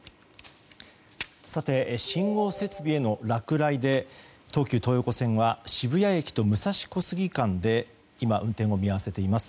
信号設備への落雷で東急東横線は渋谷駅と武蔵小杉間で今、運転を見合わせています。